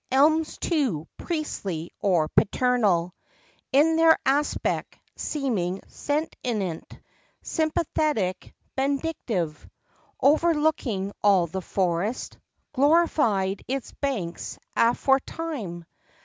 Elms, too, priestly or paternal In their aspect—seeming sentient, Sympathetic, benedictive, Overlooking all the forest— Glorified its banks aforetime.